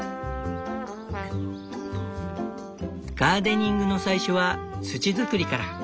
ガーデニングの最初は土づくりから。